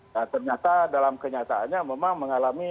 nah ternyata dalam kenyataannya memang mengalami